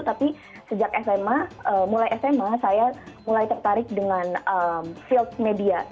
tapi sejak sma mulai sma saya mulai tertarik dengan field media